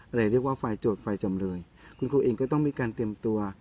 เรียกว่าฝ่ายโจทย์ฝ่ายจำเลยคุณครูเองก็ต้องมีการเตรียมตัว